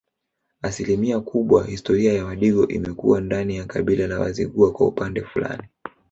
Asilimia kubwa historia ya Wadigo imekuwa ndani ya kabila la Wazigua kwa upande fulani